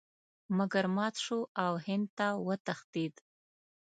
مګر مات شو او هند ته وتښتېد.